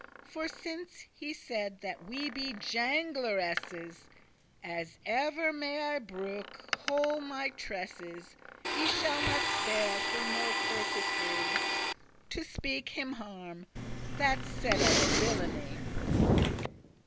For since he said that we be jangleresses,* *chatterers As ever may I brooke* whole my tresses, *preserve I shall not spare for no courtesy To speak him harm, that said us villainy."